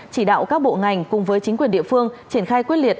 chỉ đạo các bộ ngành cùng với chính quyền địa phương triển khai quyết liệt